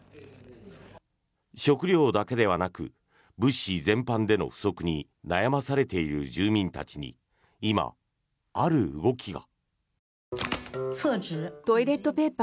食料だけではなく物資全般での不足に悩まされている住民たちに今、ある動きが。